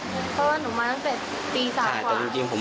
เพราะว่าหนูมาตั้งแต่ตี๓กว่า